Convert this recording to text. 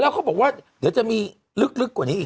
แล้วเขาบอกว่าเดี๋ยวจะมีลึกกว่านี้อีก